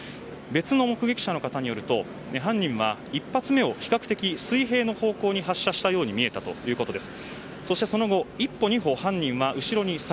別の目撃者の方によると、犯人は１発目を比較的水平の方向に発射したように見えたということです。